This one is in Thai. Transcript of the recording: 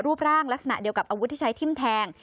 รูปร่างลักษณะเดียวกับอาวุธที่ใช้ทิ้มแทง